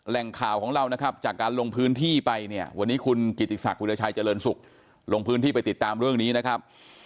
แหล่งข่าวของเรานะครับจากการลงพื้นที่ไปเนี่ยวันนี้คุณกิติศักดิราชัยเจริญสุขลงพื้นที่ไปติดตามเรื่องนี้นะครับ